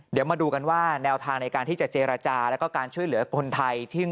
เดี๋ยวมาดูกันว่าแนวทางในการที่จะเจรจาแล้วก็การช่วยเหลือคนไทย